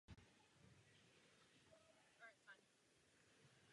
Solární články mohou obsahovat toxické látky, které lze opětovně využít.